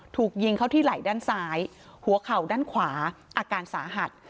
ถูกยิงเข้าที่ไหล่ด้านซ้ายหัวเข่าด้านขวาอาการสาหัส